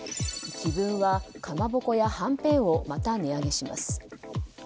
紀文は、かまぼこやはんぺんをまた値上げします。